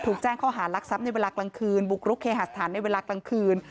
ถูกแจ้งเข้าหารักษับในเวลากลางคืนบุกรุกเคหัสถันในเวลากลางคืน